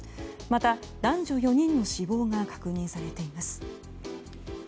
また男女４人の死亡が確認されています。